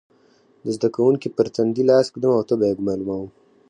د زده کوونکي پر تندې لاس ږدم او تبه یې معلوموم.